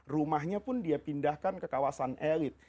rumahnya pun dia pindahkan ke kawasan elit